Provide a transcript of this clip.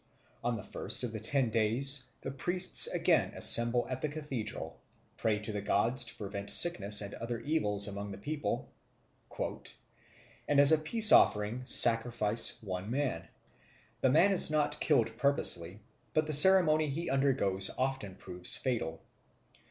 On the first of the ten days the priests again assemble at the cathedral, pray to the gods to prevent sickness and other evils among the people, "and, as a peace offering, sacrifice one man. The man is not killed purposely, but the ceremony he undergoes often proves fatal.